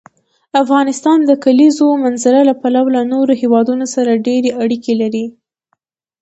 افغانستان د کلیزو منظره له پلوه له نورو هېوادونو سره ډېرې اړیکې لري.